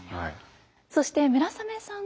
そして村雨さん